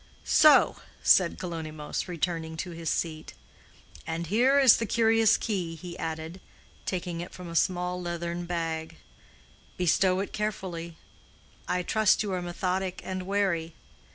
"So!" said Kalonymos, returning to his seat. "And here is the curious key," he added, taking it from a small leathern bag. "Bestow it carefully. I trust you are methodic and wary."